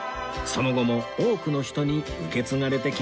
その後も多くの人に受け継がれてきました